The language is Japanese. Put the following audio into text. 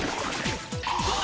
あっ！